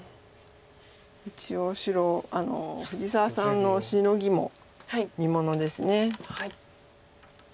一応白藤沢さんのシノギも見ものです。